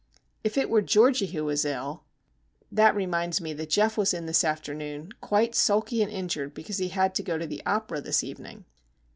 If it were Georgie who was ill! That reminds me that Geof was in this afternoon, quite sulky and injured because he had to go to the opera this evening.